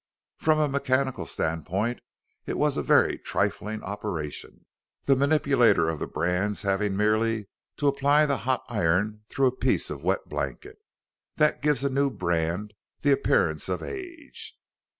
From a mechanical standpoint it was a very trifling operation, the manipulator of the brands having merely to apply the hot iron through a piece of wet blanket that gives a new brand the appearance of age.